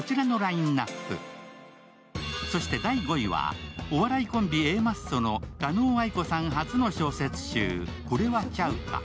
そして第５位は、お笑いコンビＡマッソの加納愛子さん初の小説集「これはちゃうか」。